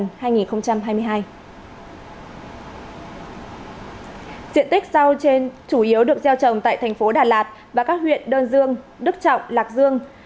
diện tích rau trên chủ yếu được gieo trồng tại thành phố đà lạt và các huyện đơn dương đức trọng lạc dương